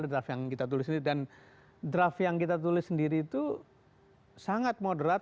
draft yang kita tulis sendiri dan draft yang kita tulis sendiri itu sangat moderat